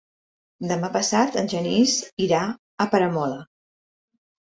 Demà passat en Genís irà a Peramola.